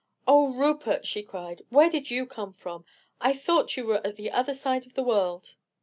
"Oh, Rupert!" she cried, "where did you come from? I thought you were at the other side of the world."